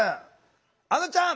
あのちゃん！